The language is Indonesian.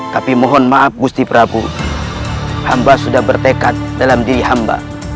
tapi mohon maaf gusti prabu hamba sudah bertekad dalam diri hamba